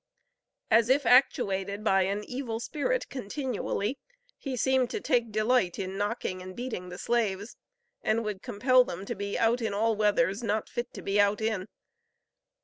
As if actuated by an evil spirit continually, he seemed to take delight in "knocking and beating the slaves," and would compel them to "be out in all weathers not fit to be out in."